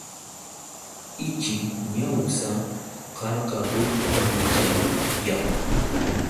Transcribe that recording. Ichi ñawsa karqa huk ñawichayuqlla.